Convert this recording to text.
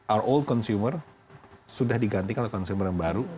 our old consumer sudah diganti ke konsumen baru